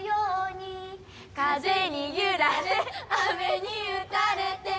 「風に揺られ雨に打たれて」